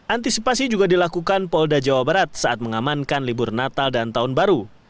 antisipasi juga dilakukan polda jawa barat saat mengamankan libur natal dan tahun baru